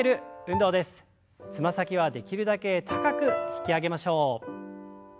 つま先はできるだけ高く引き上げましょう。